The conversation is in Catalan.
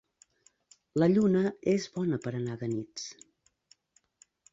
La lluna és bona per a anar de nits.